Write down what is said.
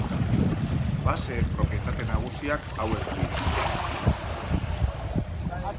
Baseen propietate nagusiak hauek dira.